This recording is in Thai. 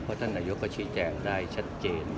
เพราะท่านนายกก็ชี้แจงได้ชัดเจน